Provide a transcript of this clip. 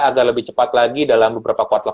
agak lebih cepat lagi dalam beberapa kuartal